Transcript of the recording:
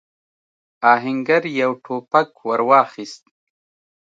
آهنګر يو ټوپک ور واخيست.